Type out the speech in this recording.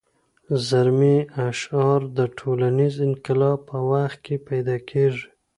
رزمي اشعار د ټولنیز انقلاب په وخت کې پیدا کېږي.